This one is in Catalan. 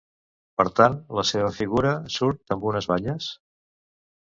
Per tant, la seva figura surt amb unes banyes?